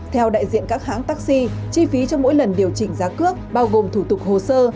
theo đại diện các hãng taxi chi phí cho mỗi lần điều chỉnh giá cước bao gồm thủ tục hồ sơ